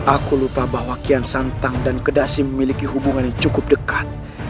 aku lupa bahwa kian santang dan kedasi memiliki hubungan yang cukup dekat